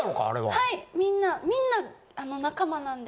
はいみんな。